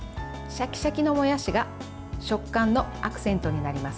シャキシャキのもやしが食感のアクセントになります。